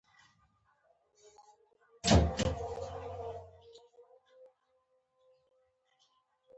د خدای د بنده د زړه ازارول ناروا ده.